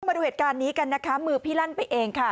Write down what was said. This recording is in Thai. มาดูเหตุการณ์นี้กันนะคะมือพี่ลั่นไปเองค่ะ